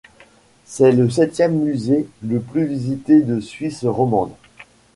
C'est le septième musée le plus visité de Suisse romande.